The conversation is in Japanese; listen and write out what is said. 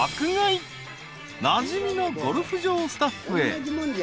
［なじみのゴルフ場スタッフへ］